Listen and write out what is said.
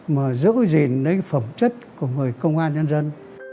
mà giữ gìn lấy phẩm chất của người công an nhân dân